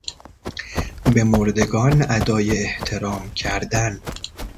به مردگان ادای احترام کردن